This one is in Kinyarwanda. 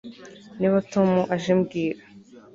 Niba Tom aje mbwira